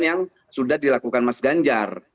yang sudah dilakukan mas ganjar